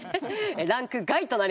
ランク外となりました。